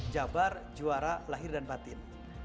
jabar juara lahir dan batin